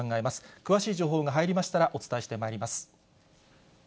詳しい情報が入りましたら、お伝えしてまいります。